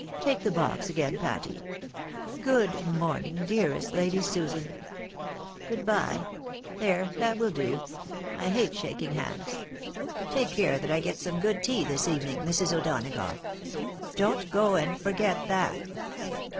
Take the box again, Patty, — Good morning, dearest Lady Susan !"" Good bye. There, that will do — ^I hate shaking hands. Take care that I get some good tea this evening, Mrs. O'Dona gough ; don't go and forget that."